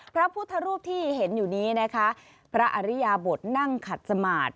พระพุทธรูปที่เห็นอยู่นี้นะคะพระอริยาบทนั่งขัดสมาธิ